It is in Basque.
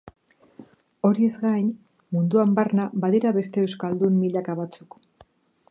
Horiez gain, munduan barna badira beste euskaldun milaka batzuk.